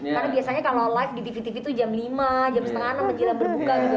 karena biasanya kalau live di tv tv itu jam lima jam setengah enam berjalan berbuka